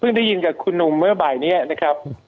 ได้ยินกับคุณหนุ่มเมื่อบ่ายนี้นะครับ